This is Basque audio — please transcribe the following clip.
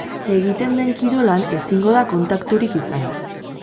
Egiten den kirolan ezingo da kontakturik izan.